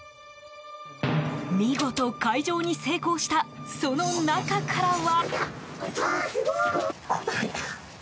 見事、開錠に成功したその中からは。